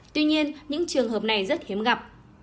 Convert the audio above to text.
tuy nhiên những trường hợp này rất hiếm gặp